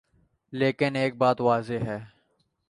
لیکن ایک بات واضح ہے۔